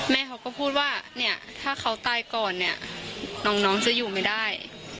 แม่เขาก็พูดว่าเนี่ยถ้าเขาตายก่อนเนี่ยน้องจะอยู่ไม่ได้